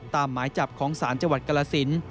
หมายจับของศาลจังหวัดกรสิน